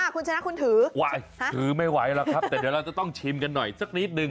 คุณชนะคุณถือถือไม่ไหวหรอกครับแต่เดี๋ยวเราจะต้องชิมกันหน่อยสักนิดนึง